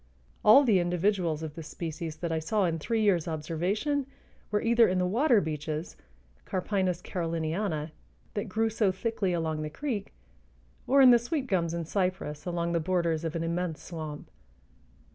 All the individuals of this species that I saw in three years' observation were either in the water beeches (Carpinus caroliniana) that grew so thickly along the creek or in the sweet gums and cypress along the borders of an immense swamp.